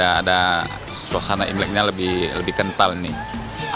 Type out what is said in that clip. ada suasana imleknya lebih kental nih